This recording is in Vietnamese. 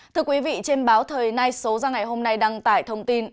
thưa quý vị trên báo thời nay số ra ngày hôm nay đăng tải thông tin